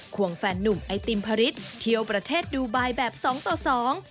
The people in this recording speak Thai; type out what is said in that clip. วงแฟนนุ่มไอติมพระฤทธิ์เที่ยวประเทศดูไบแบบสองต่อสอง